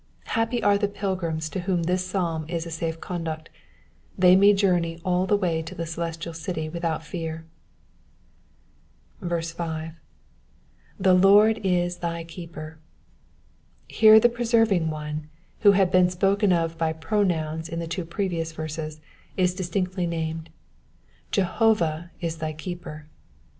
Happy are the pilgrims to whom this psalm is a safe conduct ; they may journey all the way to the celestial city without fear. 6. 2Vw Lord is thy Jceeper.'*^ Here the preserving One, who had been spoken of by pronouns in the two previous verses, is distinctly named — Jehovah is thy keeper.